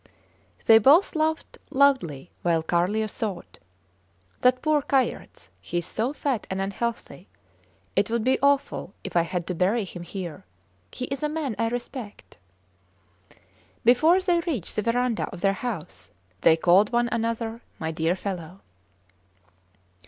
They both laughed loudly while Carlier thought: That poor Kayerts; he is so fat and unhealthy. It would be awful if I had to bury him here. He is a man I respect. ... Before they reached the verandah of their house they called one another my dear fellow.